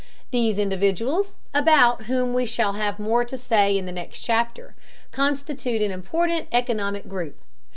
These individuals, about whom we shall have more to say in the next chapter, constitute an important economic group.